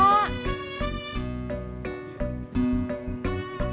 nanti kita berbincang